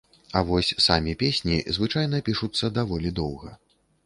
А вось самі песні звычайна пішуцца даволі доўга.